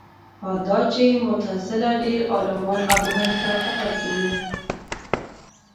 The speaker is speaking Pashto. حال دا چې معتزله ډېر عالمان ابو حنیفه فقه کې وو